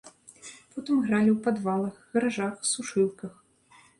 Потым гралі ў падвалах, гаражах, сушылках.